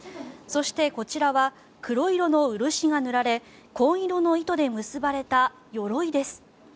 そしてこちらは黒色の漆が塗られ紺色の糸で結ばれたよろいです。